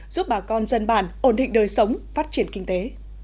giúp bà con dân bản ổn định đời sống phát triển kinh tế